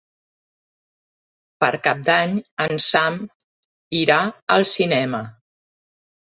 Per Cap d'Any en Sam irà al cinema.